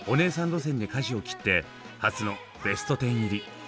路線に舵を切って初のベスト１０入り。